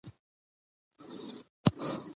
د مېلو له امله ځيني سیمه ییز کاروبارونه پرمختګ کوي.